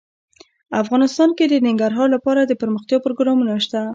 افغانستان کې د ننګرهار لپاره دپرمختیا پروګرامونه شته.